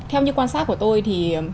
theo như quan sát của tôi thì